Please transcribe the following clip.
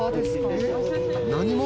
「何者？